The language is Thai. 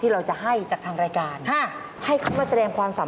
พี่ใช้โชว์อะไรชุดนี้เรียกว่าโชว์อะไร